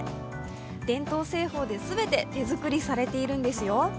伝統製法で全て手作りされているんですよ。